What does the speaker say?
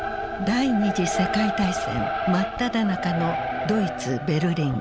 第２次世界大戦真っただ中のドイツベルリン。